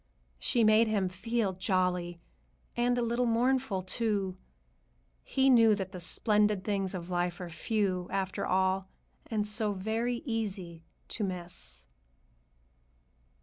She made him feel jolly, and a little mournful, too. He knew that the splendid things of life are few, after all, and so very easy to miss.